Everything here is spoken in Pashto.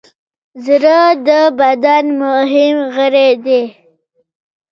زړه د بدن مهم غړی دی.